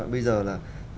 bây giờ là